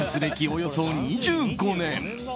およそ２５年。